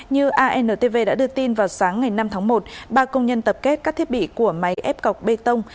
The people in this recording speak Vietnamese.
như antv đã đưa tin vào sáng ngày năm tháng một ba công nhân tập kết các thiết bị của máy ép cọc bê tông